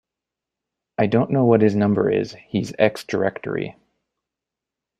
I don't know what his number is: he's ex-directory